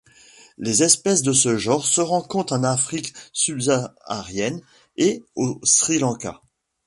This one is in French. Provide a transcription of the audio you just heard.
Les espèces de ce genre se rencontrent en Afrique subsaharienne et au Sri Lanka.